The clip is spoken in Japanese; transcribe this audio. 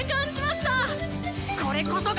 これこそが！